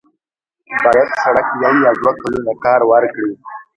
باید سړک یو یا دوه کلونه کار ورکړي.